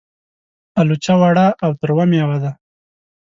الوچه وړه او تروه مېوه ده.